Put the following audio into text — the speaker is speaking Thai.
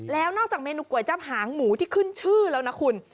แล้วนอกจากเมนูก๋วยจับหางหมูที่ขึ้นชื่อแล้วนะคุณ